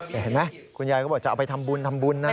เห็นไหมคุณยายก็บอกจะเอาไปทำบุญทำบุญนะ